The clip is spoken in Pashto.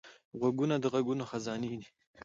غوږونه د غږونو خزانې دي